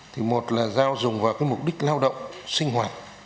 thì một là dao dùng vào cái mục đích lao động sinh hoạt